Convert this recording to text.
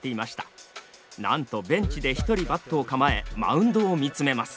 なんとベンチで一人バットを構えマウンドを見つめます。